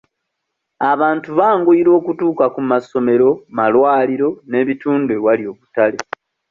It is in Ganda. Abantu banguyirwa okutuuka ku masomero, malwaliro n'ebitundu ewali obutale.